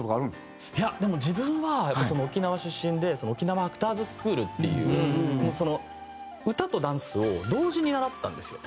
いやでも自分は沖縄出身で沖縄アクターズスクールっていう歌とダンスを同時に習ったんですよ。